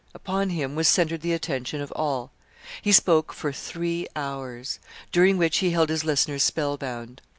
Upon him was centred the attention of all. He spoke for three hours, during which he held his listeners spellbound.